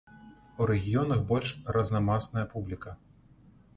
У рэгіёнах больш разнамасная публіка.